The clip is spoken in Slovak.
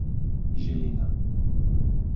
Žilina